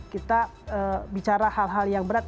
kita bicara hal hal yang berat